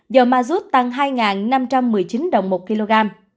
dầu mazut tăng hai năm trăm một mươi chín đồng một kg